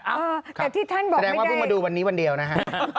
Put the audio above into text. เออแต่ที่ท่านบอกแสดงว่าเพิ่งมาดูวันนี้วันเดียวนะฮะ